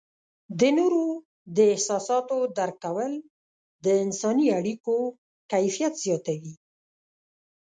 د نورو د احساساتو درک کول د انسانی اړیکو کیفیت زیاتوي.